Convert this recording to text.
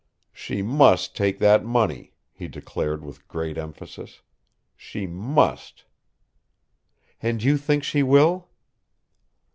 "She must take that money," he declared with great emphasis. "She must!" "And you think she will?"